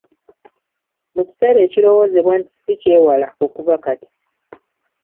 Mu kiseera ekirowoozebwa nti ssi kyewala okuva kati.